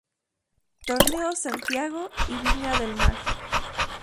Torneo Santiago y Viña del Mar.